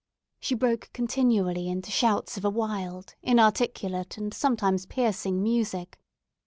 She broke continually into shouts of a wild, inarticulate, and sometimes piercing music.